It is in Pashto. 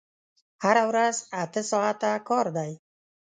هره ورځ اته ساعته کار دی!